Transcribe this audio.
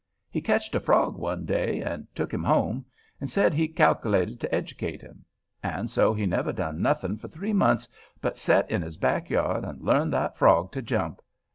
He ketched a frog one day, and took him home, and said he cal'lated to educate him; and so he never done nothing for three months but set in his back yard and learn that frog to jump.